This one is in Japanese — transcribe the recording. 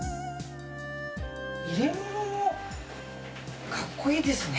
入れ物も格好いいですね。